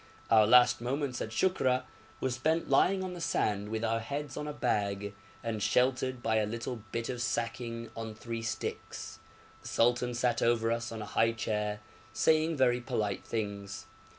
Our last moments at Shukra were spent lying on the sand with our heads on a bag, and sheltered by a little bit of sacking on three sticks. The sultan sat over us on a high chair, saying very polite things.